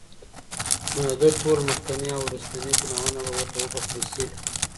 نو د ده ټول مخکيني او وروستني ګناهونه به ورته وبخښل شي